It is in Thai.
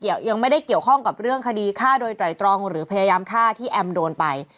ยังไม่ได้เกี่ยวข้องกับเรื่องคดีฆ่าโดยไตรตรองหรือพยายามฆ่าที่แอมโดนไป